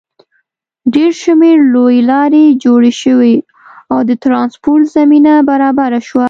ډېر شمېر لویې لارې جوړې شوې او د ټرانسپورټ زمینه برابره شوه.